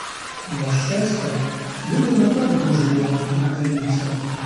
На щастя, люди не так дуже йому піддаються.